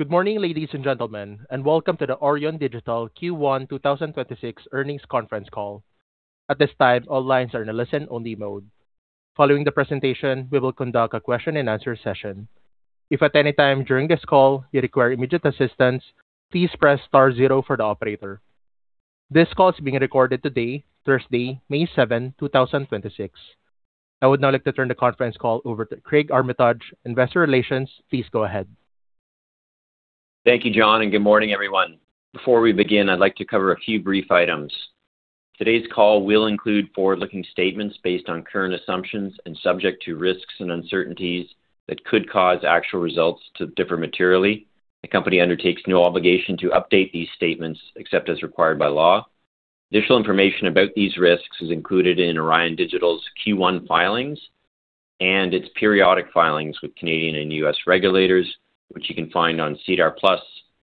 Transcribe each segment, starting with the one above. Good morning, ladies and gentlemen, welcome to the Orion Digital Q1 2026 earnings conference call. At this time, all lines are in a listen-only mode. Following the presentation, we will conduct a question-and-answer session. If at any time during this call you require immediate assistance, please press star zero for the operator. This call is being recorded today, Thursday, May 7th, 2026. I would now like to turn the conference call over to Craig Armitage, Investor Relations. Please go ahead. Thank you, John, and good morning, everyone. Before we begin, I'd like to cover a few brief items. Today's call will include forward-looking statements based on current assumptions and subject to risks and uncertainties that could cause actual results to differ materially. The company undertakes no obligation to update these statements except as required by law. Additional information about these risks is included in Orion Digital's Q1 filings and its periodic filings with Canadian and U.S. regulators, which you can find on SEDAR+,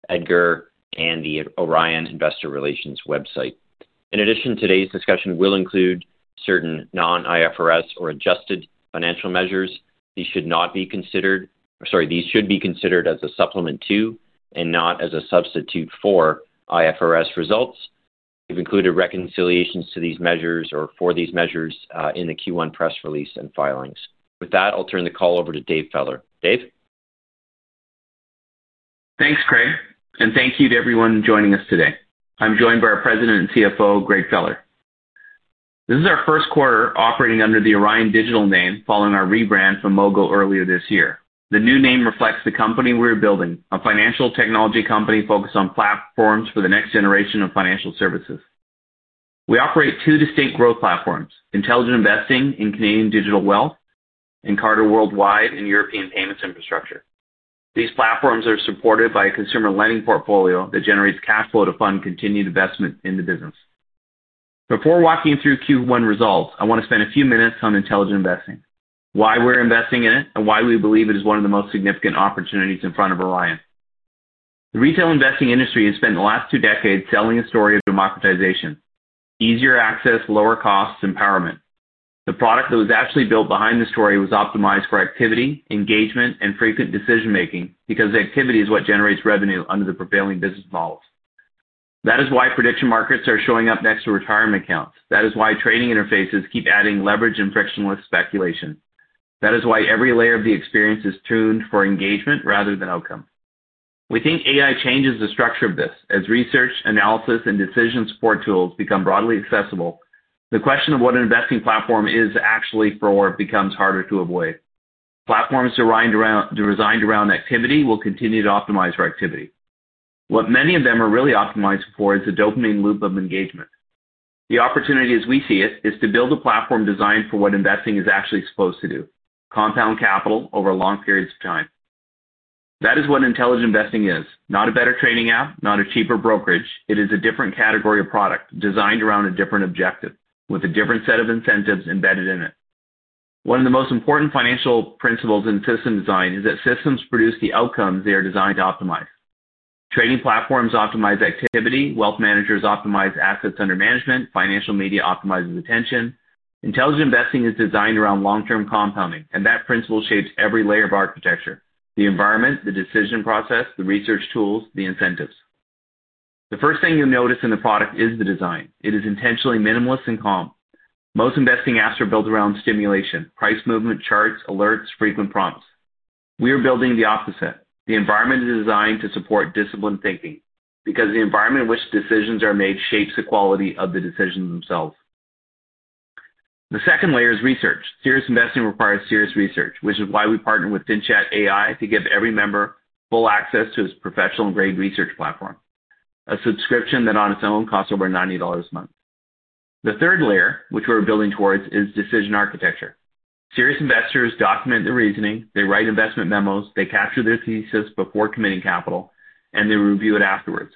EDGAR, and the Orion Investor Relations website. In addition, today's discussion will include certain non-IFRS or adjusted financial measures. These should be considered as a supplement to, and not as a substitute for IFRS results. We've included reconciliations to these measures or for these measures in the Q1 press release and filings. With that, I'll turn the call over to Dave Feller. Dave. Thanks, Craig, and thank you to everyone joining us today. I'm joined by our President and CFO, Greg Feller. This is our Q1 operating under the Orion Digital name following our rebrand from Mogo earlier this year. The new name reflects the company we're building; a financial technology company focused on platforms for the next generation of financial services. We operate two distinct growth platforms, Intelligent Investing in Canadian Digital Wealth and Carta Worldwide in European payments infrastructure. These platforms are supported by a consumer lending portfolio that generates cash flow to fund continued investment in the business. Before walking through Q1 results, I want to spend a few minutes on Intelligent Investing, why we're investing in it, and why we believe it is one of the most significant opportunities in front of Orion. The retail investing industry has spent the last two decades selling a story of democratization, easier access, lower costs, empowerment. The product that was actually built behind the story was optimized for activity, engagement, and frequent decision-making because activity is what generates revenue under the prevailing business models. That is why prediction markets are showing up next to retirement accounts. That is why trading interfaces keep adding leverage and frictionless speculation. That is why every layer of the experience is tuned for engagement rather than outcome. We think AI changes the structure of this. As research, analysis, and decision support tools become broadly accessible, the question of what an investing platform is actually for becomes harder to avoid. Platforms designed around activity will continue to optimize for activity. What many of them are really optimized for is a dopamine loop of engagement. The opportunity, as we see it, is to build a platform designed for what investing is actually supposed to do: compound capital over long periods of time. That is what Intelligent Investing is. Not a better trading app, not a cheaper brokerage. It is a different category of product designed around a different objective with a different set of incentives embedded in it. One of the most important financial principles in system design is that systems produce the outcomes they are designed to optimize. Trading platforms optimize activity, wealth managers optimize assets under management, financial media optimizes attention. Intelligent Investing is designed around long-term compounding, and that principle shapes every layer of architecture, the environment, the decision process, the research tools, the incentives. The first thing you'll notice in the product is the design. It is intentionally minimalist and calm. Most investing apps are built around stimulation, price movement, charts, alerts, frequent prompts. We are building the opposite. The environment is designed to support disciplined thinking because the environment in which decisions are made shapes the quality of the decisions themselves. The second layer is research. Serious investing requires serious research, which is why we partnered with FinChat to give every member full access to its professional-grade research platform, a subscription that on its own costs over 90 dollars a month. The third layer, which we're building towards, is decision architecture. Serious investors document their reasoning, they write investment memos, they capture their thesis before committing capital, and they review it afterwards.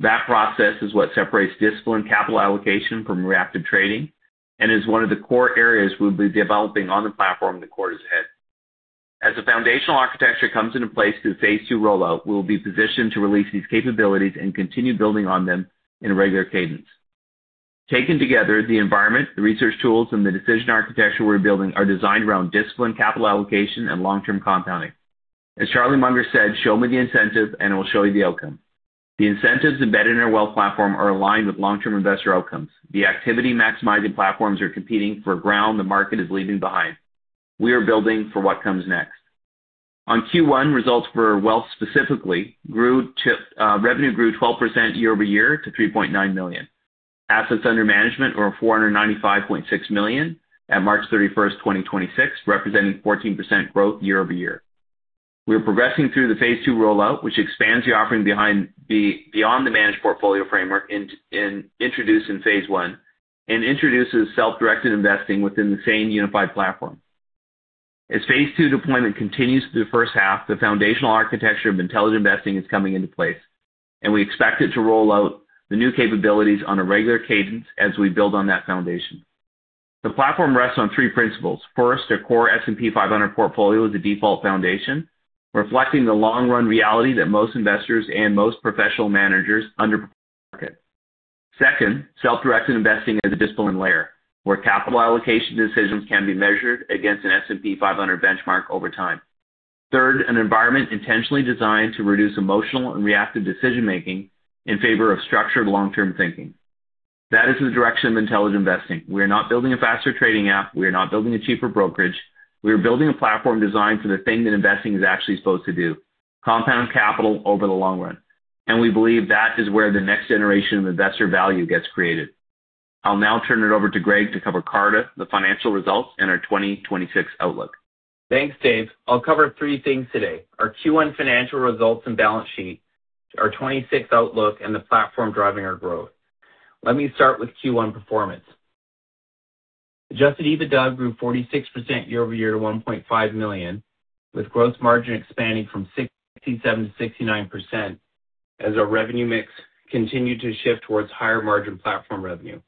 That process is what separates disciplined capital allocation from reactive trading and is one of the core areas we'll be developing on the platform in the quarters ahead. As the foundational architecture comes into place through the phase 2 rollout, we'll be positioned to release these capabilities and continue building on them in a regular cadence. Taken together, the environment, the research tools, and the decision architecture we're building are designed around disciplined capital allocation and long-term compounding. As Charlie Munger said, "Show me the incentive, and I will show you the outcome." The incentives embedded in our wealth platform are aligned with long-term investor outcomes. The activity maximizing platforms are competing for ground the market is leaving behind. We are building for what comes next. On Q1, results for wealth specifically grew to revenue grew 12% year-over-year to 3.9 million. Assets under management are 495.6 million at March 31st, 2026, representing 14% growth year-over-year. We are progressing through the phase two rollout, which expands the offering beyond the managed portfolio framework introduced in phase one and introduces self-directed investing within the same unified platform. As phase two deployment continues through the first half, the foundational architecture of Intelligent Investing is coming into place, and we expect it to roll out the new capabilities on a regular cadence as we build on that foundation. The platform rests on three principles. First, their core S&P 500 portfolio is a default foundation, reflecting the long-run reality that most investors and most professional managers underperform the market.. Second, self-directed investing is a discipline layer where capital allocation decisions can be measured against an S&P 500 benchmark over time. Third, an environment intentionally designed to reduce emotional and reactive decision-making in favor of structured long-term thinking. That is the direction of Intelligent Investing. We are not building a faster trading app. We are not building a cheaper brokerage. We are building a platform designed for the thing that investing is actually supposed to do, compound capital over the long run. We believe that is where the next generation of investor value gets created. I'll now turn it over to Greg to cover Carta, the financial results, and our 2026 outlook. Thanks, Dave. I'll cover three things today. Our Q1 financial results and balance sheet, our 2026 outlook, and the platform driving our growth. Let me start with Q1 performance. Adjusted EBITDA grew 46% year-over-year to 1.5 million, with gross margin expanding from 67% to 69% as our revenue mix continued to shift towards higher margin platform revenue.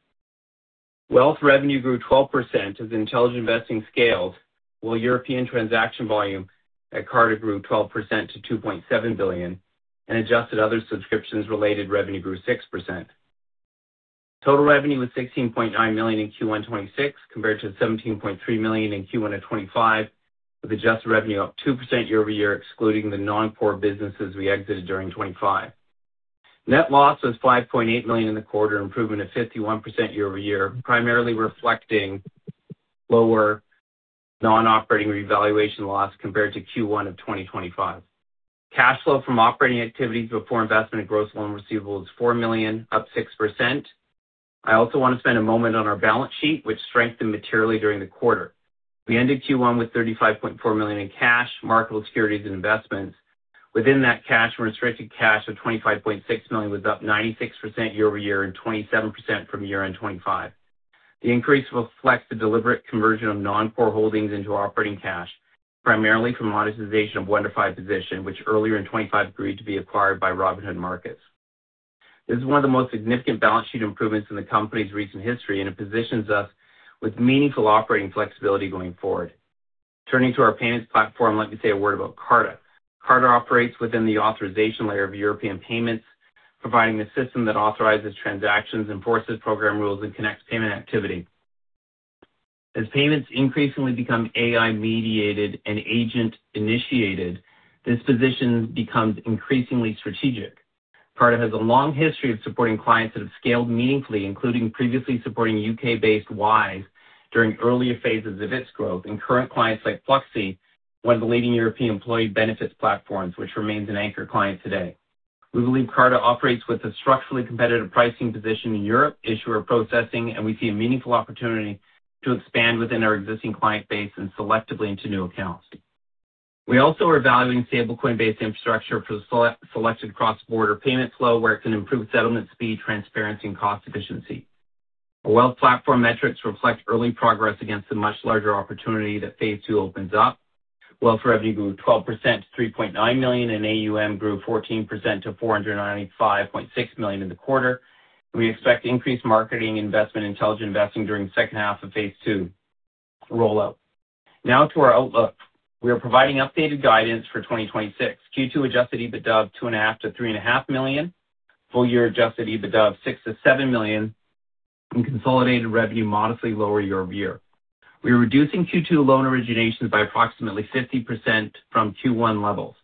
Wealth revenue grew 12% as Intelligent Investing scaled, while European transaction volume at Carta grew 12% to 2.7 billion, and adjusted other subscriptions related revenue grew 6%. Total revenue was 16.9 million in Q1 2026, compared to 17.3 million in Q1 of 2025, with adjusted revenue up 2% year-over-year, excluding the non-core businesses we exited during 2025. Net loss was 5.8 million in the quarter, improvement of 51% year-over-year, primarily reflecting lower non-operating revaluation loss compared to Q1 of 2025. Cash flow from operating activities before investment in gross loan receivable is 4 million, up 6%. I also want to spend a moment on our balance sheet, which strengthened materially during the quarter. We ended Q1 with 35.4 million in cash, marketable securities, and investments. Within that cash, unrestricted cash of 25.6 million was up 96% year-over-year and 27% from year-end 2025. The increase reflects the deliberate conversion of non-core holdings into operating cash, primarily from monetization of WonderFi position, which earlier in 2025 agreed to be acquired by Robinhood Markets. This is one of the most significant balance sheet improvements in the company's recent history, and it positions us with meaningful operating flexibility going forward. Turning to our payments platform, let me say a word about Carta. Carta operates within the authorization layer of European payments, providing the system that authorizes transactions, enforces program rules, and connects payment activity. As payments increasingly become AI-mediated and agent-initiated, this position becomes increasingly strategic. Carta has a long history of supporting clients that have scaled meaningfully, including previously supporting U.K.-based Wise during earlier phases of its growth and current clients like Pluxee, one of the leading European employee benefits platforms, which remains an anchor client today. We believe Carta operates with a structurally competitive pricing position in Europe, issuer processing, and we see a meaningful opportunity to expand within our existing client base and selectively into new accounts. We also are evaluating stablecoin-based infrastructure for the selected cross-border payment flow, where it can improve settlement speed, transparency, and cost efficiency. Our wealth platform metrics reflect early progress against the much larger opportunity that phase two opens up. Wealth revenue grew 12% to 3.9 million, and AUM grew 14% to 495.6 million in the quarter. We expect increased marketing investment in Intelligent Investing during the second half of phase two rollout. Now to our outlook. We are providing updated guidance for 2026. Q2 adjusted EBITDA, two and a half to three and a half million. Full year adjusted EBITDA, 6 to 7 million. Consolidated revenue modestly lower year-over-year. We are reducing Q2 loan originations by approximately 50% from Q1 levels.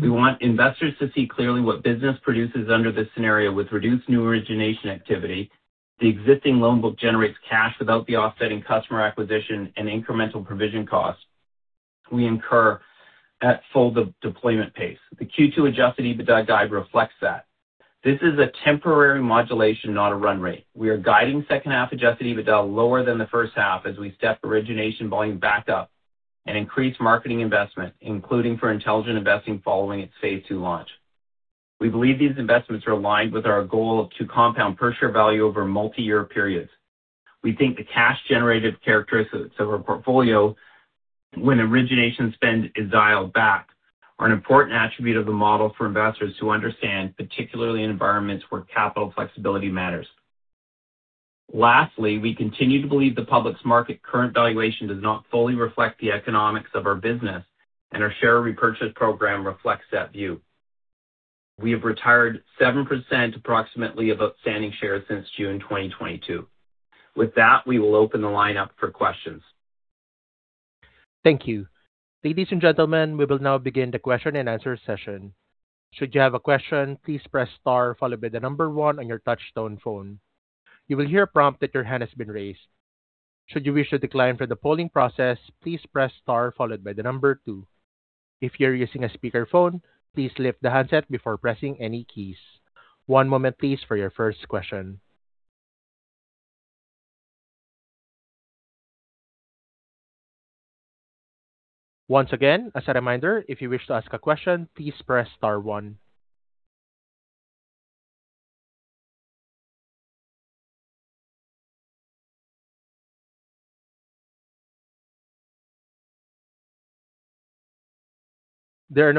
We want investors to see clearly what business produces under this scenario with reduced new origination activity. The existing loan book generates cash without the offsetting customer acquisition and incremental provision costs we incur at full deployment pace. The Q2 adjusted EBITDA guide reflects that. This is a temporary modulation, not a run rate. We are guiding H2 adjusted EBITDA lower than the H1 as we step origination volume back up and increase marketing investment, including for Intelligent Investing following its phase two launch. We believe these investments are aligned with our goal to compound per share value over multi-year periods. We think the cash-generated characteristics of our portfolio when origination spend is dialed back are an important attribute of the model for investors to understand, particularly in environments where capital flexibility matters. Lastly, we continue to believe the public's market current valuation does not fully reflect the economics of our business, and our share repurchase program reflects that view. We have retired 7% approximately of outstanding shares since June 2022. With that, we will open the line up for questions. Thank you. Ladies and gentlemen, we will now begin the question-and-answer session. There are no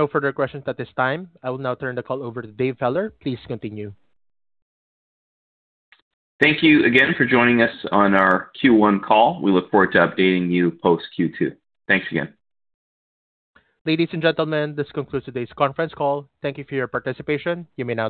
further questions at this time. I will now turn the call over to Dave Feller. Please continue. Thank you again for joining us on our Q1 call. We look forward to updating you post Q2. Thanks again. Ladies and gentlemen, this concludes today's conference call. Thank you for your participation. You may now disconnect.